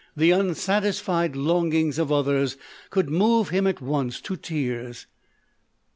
The unsatisfied longings of others could move him at once to tears.